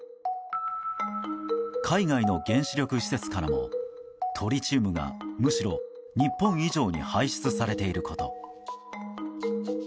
海外の原子力施設からもトリチウムがむしろ日本以上に排出されていること。